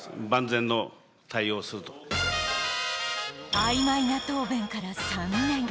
あいまいな答弁から３年。